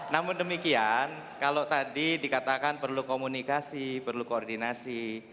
namun demikian kalau tadi dikatakan perlu komunikasi perlu koordinasi